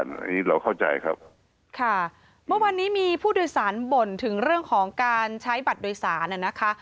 อันนี้เราเข้าใจครับค่ะเมื่อวานนี้มีผู้โดยสารบ่นถึงเรื่องของการใช้บัตรโดยสารน่ะนะคะ